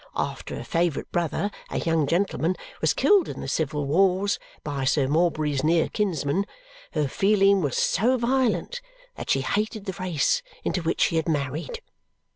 After her favourite brother, a young gentleman, was killed in the civil wars (by Sir Morbury's near kinsman), her feeling was so violent that she hated the race into which she had married.